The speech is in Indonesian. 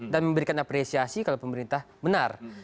dan memberikan apresiasi kalau pemerintah benar